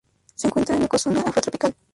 Se encuentra en Ecozona afrotropical.